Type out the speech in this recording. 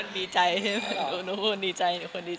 ใครไม่แบบนั้นทุกคนดีใจ